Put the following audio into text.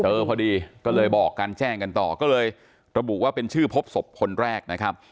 พอดีก็เลยบอกกันแจ้งกันต่อก็เลยระบุว่าเป็นชื่อพบศพคนแรกนะครับ